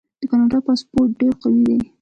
د کاناډا پاسپورت ډیر قوي دی.